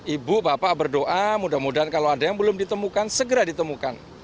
ibu bapak berdoa mudah mudahan kalau ada yang belum ditemukan segera ditemukan